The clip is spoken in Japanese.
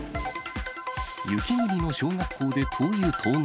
雪国の小学校で灯油盗難。